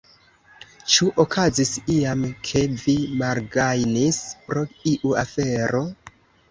Ĉu okazis iam, ke vi malgajnis pro iu afero?